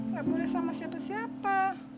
gak boleh sama siapa siapa